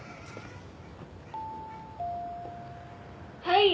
「はい」